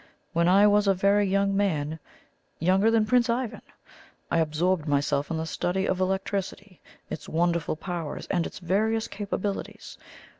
When I was a very young man, younger than Prince Ivan, I absorbed myself in the study of electricity its wonderful powers, and its various capabilities.